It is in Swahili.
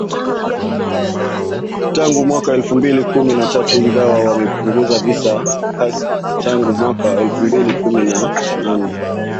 Tangu mwaka wa elfu mbili kumi na tatu ingawa vimepungua kasi tangu mwaka wa elfu mbili kumi na nane.